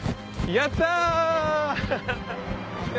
やった。